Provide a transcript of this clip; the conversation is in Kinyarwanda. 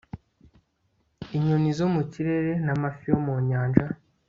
inyoni zo mu kirere n'amafi yo mu nyanja